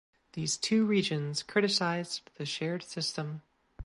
These two regions criticized the shared system.